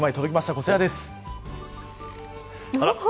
こちらです。